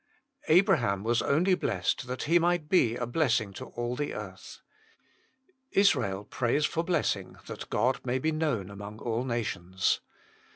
Abraham was only blessed that ho might be a blessing to all the earth. Israel prays for blessing, that God may be known amoug all nations.